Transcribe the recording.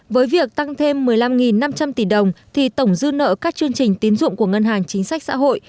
với việc tăng thêm một mươi năm năm trăm linh tỷ đồng thì tổng dư nợ các chương trình tín dụng của ngân hàng chính sách xã hội